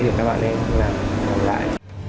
thì các bạn ấy làm lại